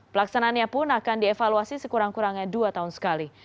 pelaksanaannya pun akan dievaluasi sekurang kurangnya dua tahun sekali